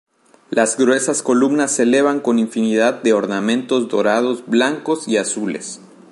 Las gruesas columnas se elevan con infinidad de ornamentos dorados, blancos y azules.